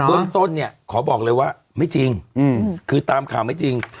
เรื่องต้นเนี่ยขอบอกเลยว่าไม่จริงคือตามข่าวไม่จริง